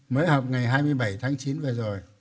mới học ngày hai mươi bảy tháng chín vừa rồi